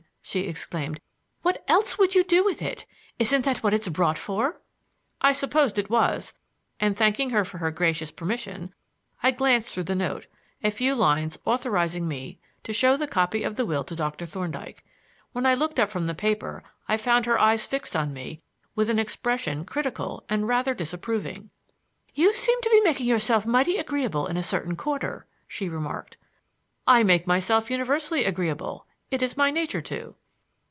she exclaimed. "What else would you do with it? Isn't that what it's brought for?" I supposed it was; and, thanking her for her gracious permission, I glanced through the note a few lines authorizing me to show the copy of the will to Dr. Thorndyke. When I looked up from the paper I found her eyes fixed on me with an expression critical and rather disapproving. "You seem to be making yourself mighty agreeable in a certain quarter," she remarked. "I make myself universally agreeable. It is my nature to."